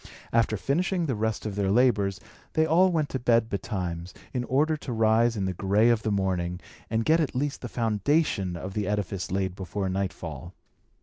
After finishing the rest of their labours, they all went to bed betimes, in order to rise in the gray of the morning, and get at least the foundation of the edifice laid before nightfall.